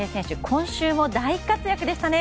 今週も大活躍でしたね。